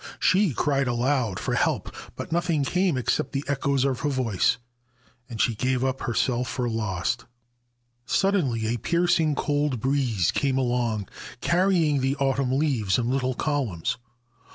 She cried aloud for help ; but nothing came except the echoes of her voice, and she gave herself up for lost. Suddenly a piercing cold breeze came along, carrying the autumn leaves in little columns.